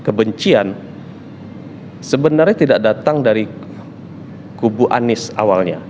kebencian sebenarnya tidak datang dari kubu anies awalnya